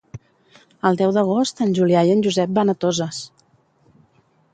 El deu d'agost en Julià i en Josep van a Toses.